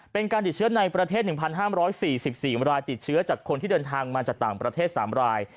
เป็นการติดเชื้อในประเทศ๑๕๔๔รายติดเชื้อจากคนที่เดินทางมาจากต่างประเทศ๓ราย